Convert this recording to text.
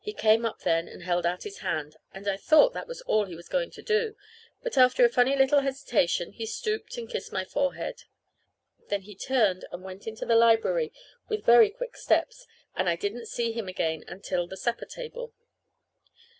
He came up then and held out his hand, and I thought that was all he was going to do. But after a funny little hesitation he stooped and kissed my forehead. Then he turned and went into the library with very quick steps, and I didn't see him again till at the supper table.